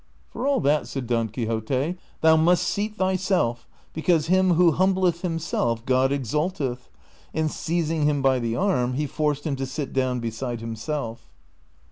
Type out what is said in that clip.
" For all that," said Don Quixote, " thou must seat thyself, because him who humbleth himself God exalteth ;" and seiz ing him by the arm he forced him to sit down beside himself.